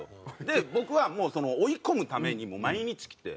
僕はもう追い込むために毎日着て。